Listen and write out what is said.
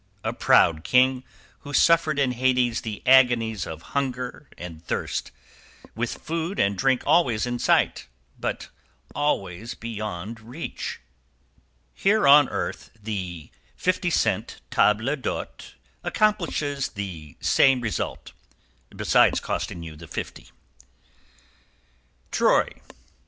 A proud king, who suffered in Hades the agonies of hunger and thirst, with food and drink always in sight, but always beyond reach. =Here on earth, the 50 cent table d'hote accomplishes the same result besides costing you the fifty.= TROY.